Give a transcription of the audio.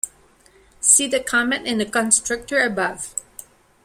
See the comment in the constructor above.